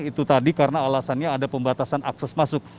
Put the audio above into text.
itu tadi karena alasannya ada pembatasan akses masuk